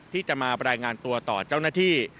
ที่จะมารายงานตัวต่อเจ้าหน้าที่